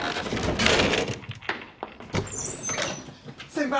先輩！